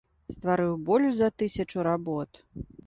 Стварыў больш за тысячу работ.